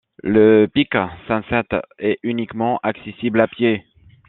Le pic Sunset est uniquement accessible à pied.